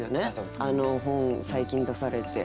本最近出されて。